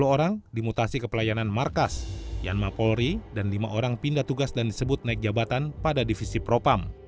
sepuluh orang dimutasi ke pelayanan markas yanma polri dan lima orang pindah tugas dan disebut naik jabatan pada divisi propam